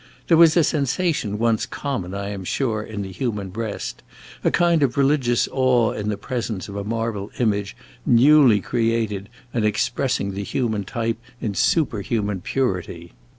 There was a sensation once common, I am sure, in the human breast a kind of religious awe in the presence of a marble image newly created and expressing the human type in superhuman purity.